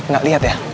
gak liat ya